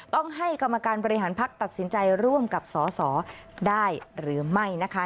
ต้องให้กรรมการบริหารพักตัดสินใจร่วมกับสสได้หรือไม่นะคะ